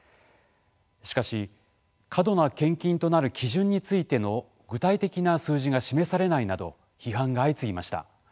しかし、過度な献金となる基準についての具体的な数字が示されないなど批判が相次ぎました。